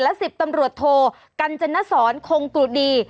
และ๑๐ตำรวจโทกัญจนสอนคงกรุดี